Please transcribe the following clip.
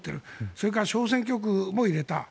それから小選挙区も入れた。